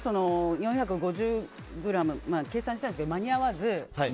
４５０ｇとか計算したんだけど間に合わず。